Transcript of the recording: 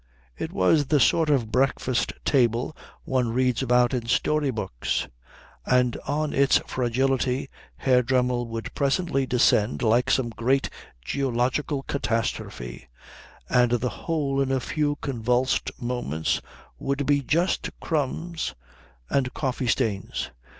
It was the sort of breakfast table one reads about in story books; and on its fragility Herr Dremmel would presently descend like some great geological catastrophe, and the whole in a few convulsed moments would be just crumbs and coffee stains.